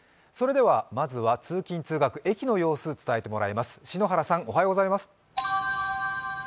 まずは通勤通学、駅の様子を伝えてもらいます。